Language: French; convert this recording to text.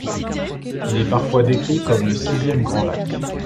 Il est parfois décrit comme le sixième grand lac.